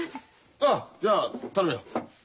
あじゃあ頼むよ。